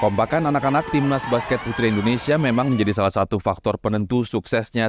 kompakan anak anak timnas basket putri indonesia memang menjadi salah satu faktor penentu suksesnya